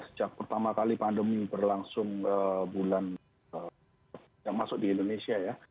sejak pertama kali pandemi berlangsung bulan yang masuk di indonesia ya